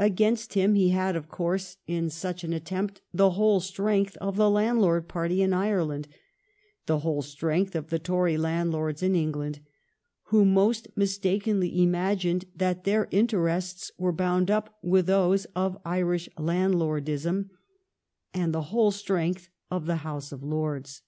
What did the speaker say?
Against him he had, of course, in such an attempt, the whole strength of the landlord party in Ireland, the whole strength of the Tory landlords in England, who most mistakenly imagined that their interests were bound up with those of Irish landlordism, and the whole strength of the House of Lords.